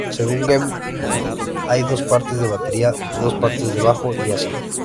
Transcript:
Según Gane, hay "dos partes de batería, dos partes de bajo, y así.